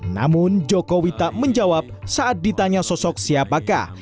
namun jokowi tak menjawab saat ditanya sosok siapakah